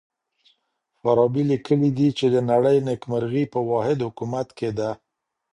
فارابي ليکلي دي چي د نړۍ نېکمرغي په واحد حکومت کي ده.